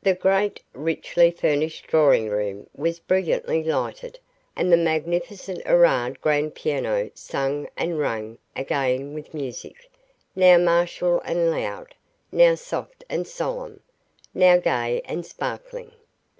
The great, richly furnished drawing room was brilliantly lighted, and the magnificent Erard grand piano sang and rang again with music, now martial and loud, now soft and solemn, now gay and sparkling.